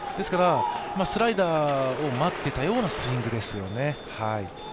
スライダーを待っていたようなスイングですよね。